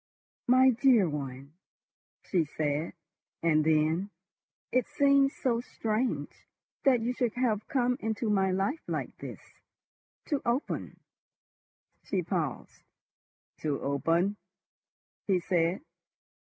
"My dear one!" she said, and then: "It seems so strange—that you should have come into my life like this—to open—" She paused. "To open?" he said.